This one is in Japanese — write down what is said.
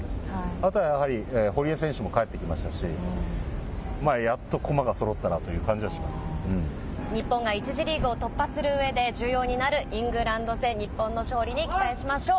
あとはやはり、堀江選手も帰ってきましたし、やっと駒がそろった日本が１次リーグを突破するうえで重要になるイングランド戦、日本の勝利に期待しましょう。